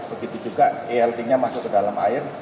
begitu juga elt nya masuk ke dalam air